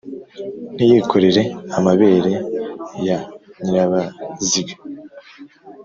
Ntiyikore amabere ya Nyirabaziga,